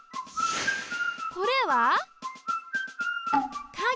これは陰。